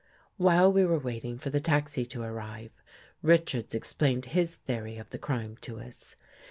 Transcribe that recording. While we were waiting for the taxi to arrive, Richards explained his theory of the crime to us.